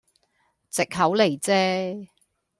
藉口嚟啫